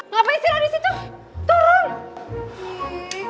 ngapain istirahat di situ turun